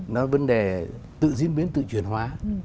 nói vấn đề tự diễn biến tự chuyển hóa